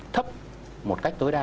thấp một cách tối đa